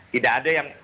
tidak ada yang